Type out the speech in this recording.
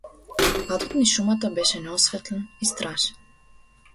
Патот низ шумата беше неосветлен и страшен.